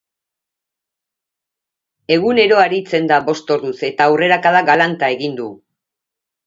Egunero aritzen da, bost orduz, eta aurrerakada galanta egin du.